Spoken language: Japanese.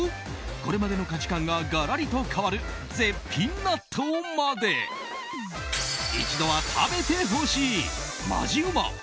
これまでの価値観ががらりと変わる絶品納豆まで一度は食べてほしいマジうまっ！